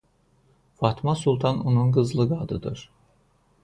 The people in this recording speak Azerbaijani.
Fatma Sultan onun qızlıq adıdır.